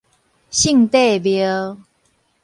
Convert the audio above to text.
聖帝廟